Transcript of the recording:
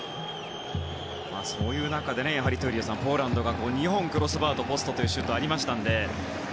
そういう中で、闘莉王さんポーランドが２本クロスバーとポストというシュートがありましたので。